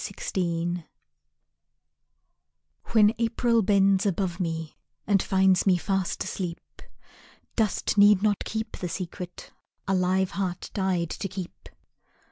"I Love You" When April bends above me And finds me fast asleep, Dust need not keep the secret A live heart died to keep.